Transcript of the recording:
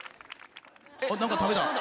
何か食べた。